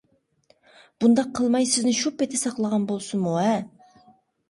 بۇنداق قىلماي، سىزنى شۇ پېتى ساقلىغان بولسىمۇ-ھە.